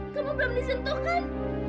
kamu belum disentuhkan